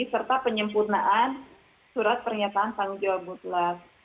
serta penyempurnaan surat pernyataan tanggung jawab mutlak